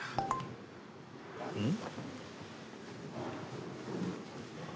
うん？